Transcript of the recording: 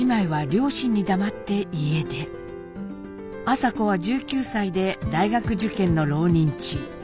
麻子は１９歳で大学受験の浪人中。